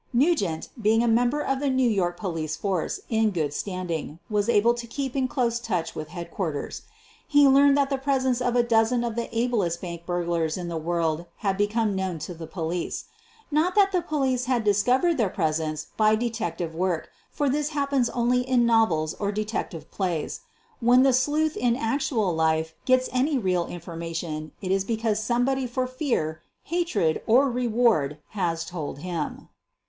Nugent, being a member of the New York police force in good standing, was able to keep in close touch with headquarters. He learned that the presence of a dozen of the ablest bank burglars in the world had become known to the police. Not 156 SOPHIE LYONS that the police had discovered their presence by de tective work, for this happens only in novels or de tective plays. When the " sleuth' ' in actual life gets any real information it is because somebody for fear, hatred, or reward has told him.